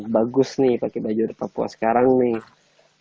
bagus nih pakai baju adat papua sekarang nih